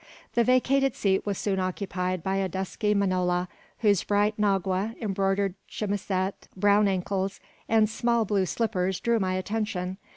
The vacated seat was soon occupied by a dusky manola, whose bright nagua, embroidered chemisette, brown ankles, and small blue slippers, drew my attention.